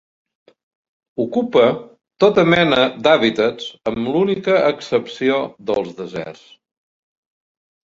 Ocupa tota mena d'hàbitats amb l'única excepció dels deserts.